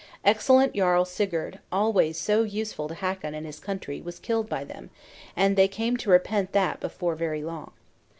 Excellent Jarl Sigurd, always so useful to Hakon and his country, was killed by them; and they came to repent that before very long.